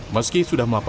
meski sudah melaporkan